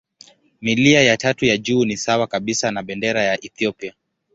Milia ya tatu ya juu ni sawa kabisa na bendera ya Ethiopia.